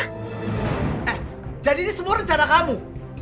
eh jadi ini semua rencana kamu